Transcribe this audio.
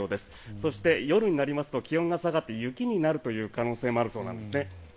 そして、夜になりますと気温が下がって雪になるという可能性もあるそうなんですね。